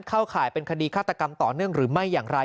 ข่ายเป็นคดีฆาตกรรมต่อเนื่องหรือไม่อย่างไร